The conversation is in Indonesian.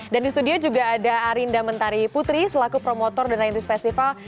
dan di studio juga ada arinda mentari putri selaku promotor dan raih raih festival